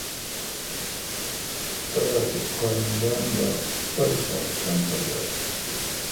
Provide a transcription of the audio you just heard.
تبا سو قانون دان با پوتھ پاکستان پر یال۔